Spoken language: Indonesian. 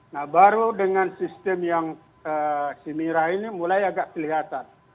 nah baru dengan sistem yang simira ini mulai agak kelihatan